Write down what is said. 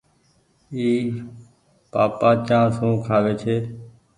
اي پآپآ چآنه سون کآوي ڇي۔